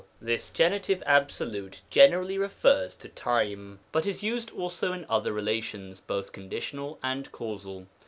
This Gen. absolute generally refers to time, but is used also in other relations, both conditional and causal.